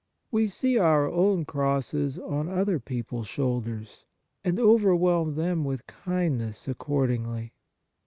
We see our own crosses on other people's shoulders, and overwhelm them with kindness accordingly.